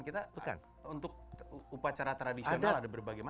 kita untuk upacara tradisional ada berbagai macam